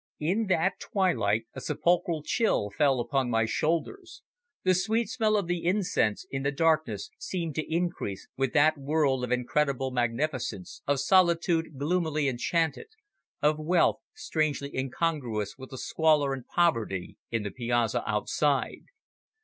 In that twilight a sepulchral chill fell upon my shoulders; the sweet smell of the incense in the darkness seemed to increase with that world of incredible magnificence, of solitude gloomily enchanted, of wealth strangely incongruous with the squalor and poverty in the piazza outside.